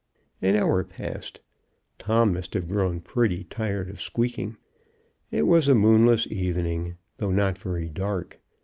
An hour passed. Tom must have grown pretty tired of squeaking. It was a moonless evening, though not very dark.